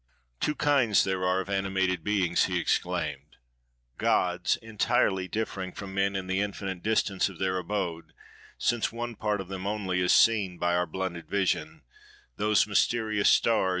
"Two kinds there are, of animated beings," he exclaimed: "Gods, entirely differing from men in the infinite distance of their abode, since one part of them only is seen by our blunted vision—those mysterious stars!